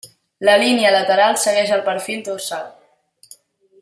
La línia lateral segueix el perfil dorsal.